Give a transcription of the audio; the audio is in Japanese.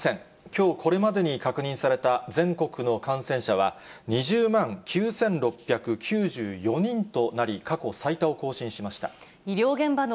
きょうこれまでに確認された全国の感染者は、２０万９６９４人となり、過去最多を更新しました。